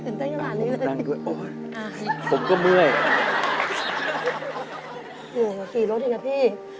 เหนื่อยกว่าขี่รถอีกนะพี่